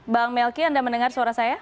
bang melki anda mendengar suara saya